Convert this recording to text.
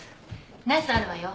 ナスあるわよ。